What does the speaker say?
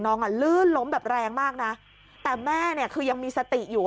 อ่ะลื่นล้มแบบแรงมากนะแต่แม่เนี่ยคือยังมีสติอยู่